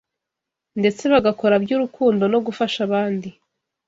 ndetse bagakora by’urukundo no gufasha abandi